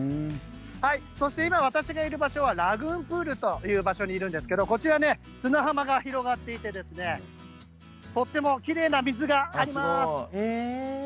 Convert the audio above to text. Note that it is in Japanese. そして今、私がいる場所はラグーンプールという場所にいるんですけど砂浜が広がっていてとてもきれいな水があります。